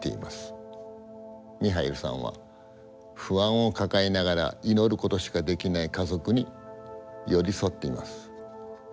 ミハイルさんは不安を抱えながら祈ることしかできない家族に寄り添っています。